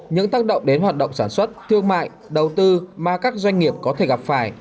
những tác động đến hoạt động sản xuất thương mại đầu tư mà các doanh nghiệp có thể gặp phải